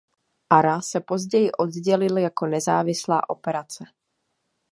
Ara se později oddělil jako nezávislá operace.